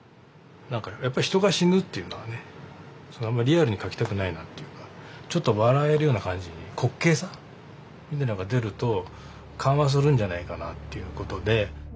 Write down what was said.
やっぱり人が死ぬというのはねあんまりリアルに描きたくないなっていうかちょっと笑えるような感じに滑稽さみたいなのが出ると緩和するんじゃないかなっていうことで。